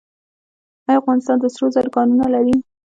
آیا افغانستان د سرو زرو کانونه لري؟